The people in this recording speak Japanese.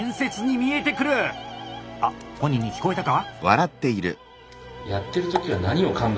あっ本人に聞こえたか？